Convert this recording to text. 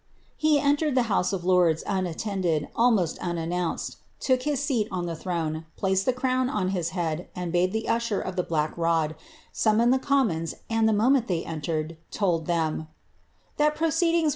He entered the House of Liords d, almost unannounced, took iiis seat on the throne, placed the I his head, and bade the usher of the black rod, summon the , and, the moment they entered, told them ^ that proceedings ' Macpherson \ James II.